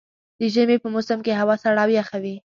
د ژمي په موسم کې هوا سړه او يخه وي.